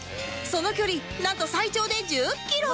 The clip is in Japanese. その距離なんと最長で１０キロ